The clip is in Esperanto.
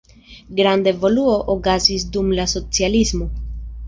Granda evoluo okazis dum la socialismo.